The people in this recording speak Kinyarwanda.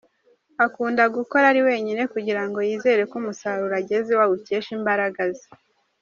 Akunda gukora ari wenyine kugira ngo yizere ko umusaruro agezeho awukesha imbaraga ze.